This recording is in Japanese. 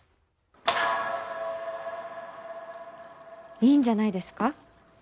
いいんじゃないですか？